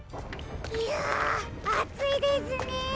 ひゃあついですね。